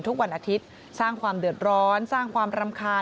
ทุกวันอาทิตย์สร้างความเดือดร้อนสร้างความรำคาญ